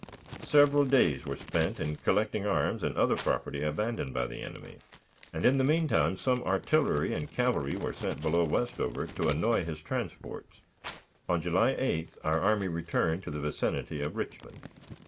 Several days were spent in collecting arms and other property abandoned by the enemy, and, in the mean time, some artillery and cavalry were sent below Westover to annoy his transports. On July 8th our army returned to the vicinity of Richmond.